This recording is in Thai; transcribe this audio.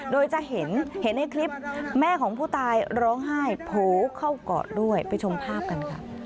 โดยจะเห็นเห็นในคลิปแม่ของผู้ตายร้องไห้โผล่เข้ากอดด้วยไปชมภาพกันค่ะ